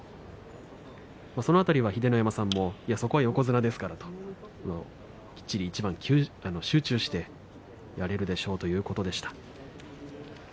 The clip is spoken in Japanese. その辺りは秀ノ山さんもそこは横綱ですからときっちり一番集中してやれるでしょうということでした。